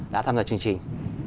đã tham gia chương trình